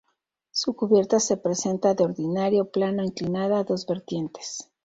Su cubierta se presenta de ordinario plana o inclinada a dos vertientes.